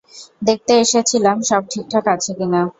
দেখতে এসেছিলাম সব ঠিকঠাক আছে কি না।